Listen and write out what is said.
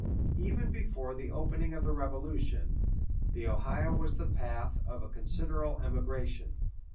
[B] Even before the opening of the Revolution, the Ohio was the path of a considerable emigration.